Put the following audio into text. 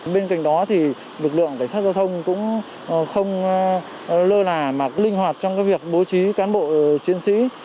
bên cạnh đó thì lực lượng cảnh sát giao thông cũng không lơ là linh hoạt trong việc bố trí cán bộ chiến sĩ